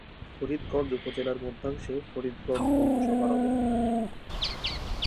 ফরিদগঞ্জ উপজেলার মধ্যাংশে ফরিদগঞ্জ পৌরসভার অবস্থান।